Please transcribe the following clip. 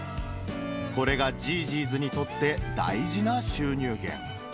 これがじぃーじぃーずにとって大事な収入源。